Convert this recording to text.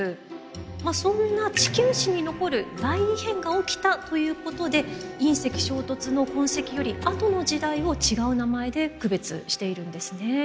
まあそんな地球史に残る大異変が起きたということで隕石衝突の痕跡よりあとの時代を違う名前で区別しているんですね。